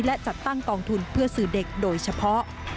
และจัดตั้งกองทุนเพื่อสื่อเด็กโดยเฉพาะ